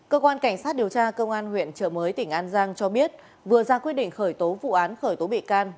cơ quan cảnh sát điều tra công an huyện trợ mới tỉnh an giang cho biết vừa ra quyết định khởi tố vụ án khởi tố bị can